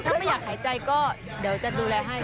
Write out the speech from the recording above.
ถ้าไม่อยากหายใจก็เดี๋ยวจะดูแลให้